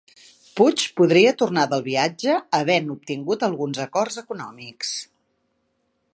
Puig podria tornar del viatge havent obtingut alguns acords econòmics